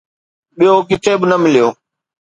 ٻيو ڪٿي به نه مليو.